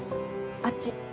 あっち。